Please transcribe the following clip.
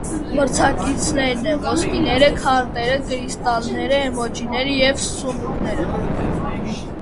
Մրցանակներն են՝ ոսկիները, քարտերը, կրիստալները, էմոջիները և սունդուկները։